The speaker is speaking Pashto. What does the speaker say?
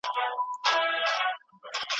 ولي هڅاند سړی د لایق کس په پرتله موخي ترلاسه کوي؟